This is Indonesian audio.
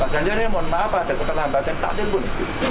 pak ganjar ini mohon maaf ada keperlahan perlahan takdir pun